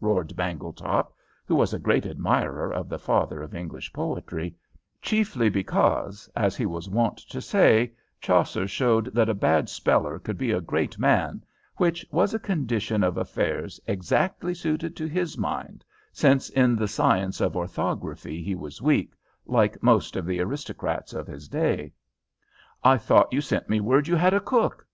roared Bangletop, who was a great admirer of the father of English poetry; chiefly because, as he was wont to say, Chaucer showed that a bad speller could be a great man, which was a condition of affairs exactly suited to his mind, since in the science of orthography he was weak, like most of the aristocrats of his day. "I thought you sent me word you had a cook?"